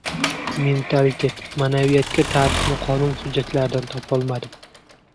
Mentalitet, maʼnaviyatga taʼrifni qonun xujjatlaridan topolmadim.